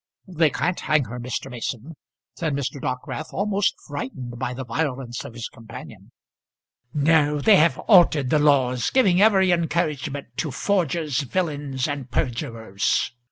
"They can't hang her, Mr. Mason," said Mr. Dockwrath, almost frightened by the violence of his companion. "No; they have altered the laws, giving every encouragement to forgers, villains, and perjurers.